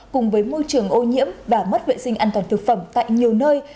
cùng với môi trường ô nhiễm và mất vệ sinh an toàn thực phẩm tại nhiều nơi